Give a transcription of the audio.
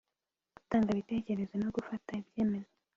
gutanga ibitekerezo no gufata ibyemezo